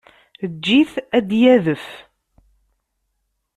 Eǧǧ-it ad d-yadef.